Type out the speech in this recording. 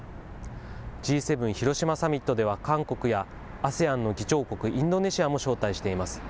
Ｇ７広島サミットでは韓国やＡＳＥＡＮの議長国、インドネシアも招待しています。